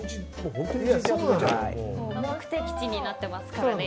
目的地になってますからね